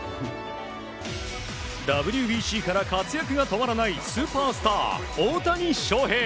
ＷＢＣから活躍が止まらないスーパースター、大谷翔平。